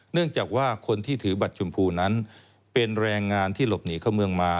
เนื่องจากว่าคนที่ถือบัตรชมพูนั้นเป็นแรงงานที่หลบหนีเข้าเมืองมา